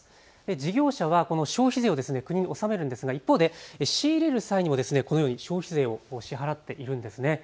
事業者はこの消費税を国に納めるのですが一方で仕入れる際にも消費税を支払っているんですね。